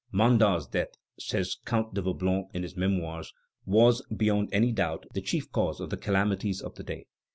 "Mandat's death," says Count de Vaublanc in his Memoirs, "was, beyond any doubt, the chief cause of the calamities of the day.